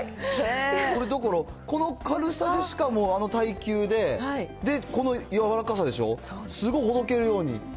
これ、だから、この軽さで、しかもあの耐久で、この柔らかさでしょ、すごい、ほどけるように。